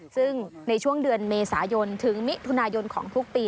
ซึ่งในช่วงเดือนเมษายนถึงมิถุนายนของทุกปี